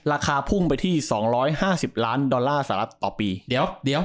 ราคาพุ่งไปที่๒๕๐ล้านดอลลาร์สาระต่อปี